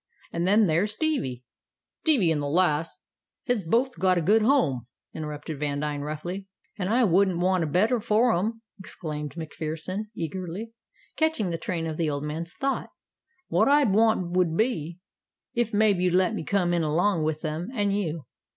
An' then ther's Stevie " "Stevie and the lass hez both got a good home," interrupted Vandine, roughly. "An' I wouldn't want a better for 'em," exclaimed MacPherson, eagerly, catching the train of the old man's thought. "What I'd want would be, ef maybe you'd let me come in along with them and you."